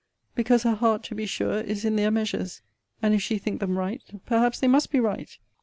because her heart, to be sure, is in their measures! and if she think them right, perhaps they must be right!